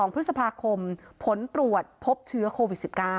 ๒พฤษภาคมผลตรวจพบเชื้อโควิด๑๙